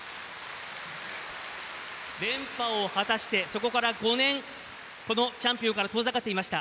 連覇を果たして、そこから５年このチャンピオンから遠ざかっていました。